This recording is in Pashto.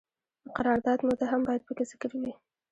د قرارداد موده هم باید پکې ذکر وي.